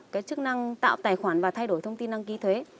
cái chức năng tạo tài khoản và thay đổi thông tin đăng ký thuế